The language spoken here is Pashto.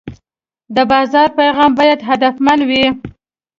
د بازار پیغام باید هدفمند وي.